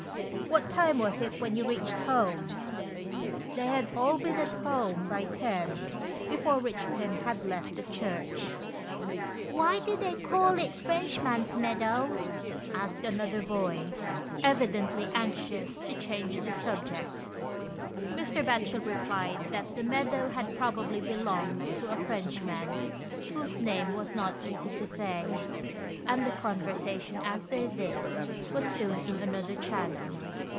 "What time was it when you reached home?" They had all been at home by ten, before Eichpin had left the church. "Why do they call it Frenchman's Meadow ?" asked another boy, evidently anxious to change the subject. Mr. Batchel replied that the meadow had probably belonged to a Frenchman whose name 39 GHOST TALBS. was not easy to say, and the conversation after this was soon in another channel.